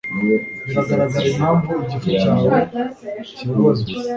Biragaragara impamvu igifu cyawe kibabaza.